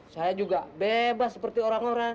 saya juga bebas seperti orang orang